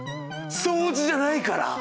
相似じゃないから。